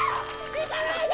行かないで！